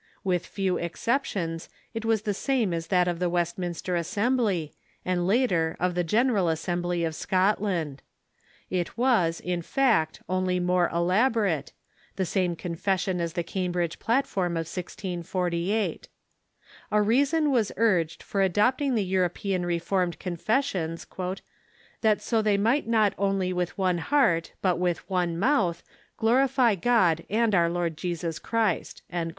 With few excep tions, it was the same as that of the Westminster Assembly, and later of the General Assembly of Scotland. It was, in fact, only more elaborate, the same Confession as the Cam bridge Platform of 1648. A reason was urged for adopting the European Reformed Confessions, "that so they might not onl}' with one heart, but with one mouth, glorify God and our Lord Jesus Christ."